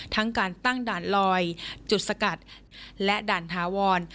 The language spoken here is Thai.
ทั้งการตั้งด่านลอยจุดสกัดและด่านถาวร